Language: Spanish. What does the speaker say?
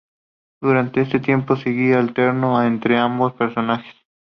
Durante ese tiempo, Sugi alternó entre ambos personajes.